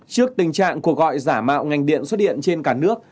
trước tình trạng cuộc gọi giả mạo ngành điện xuất hiện trên cả nước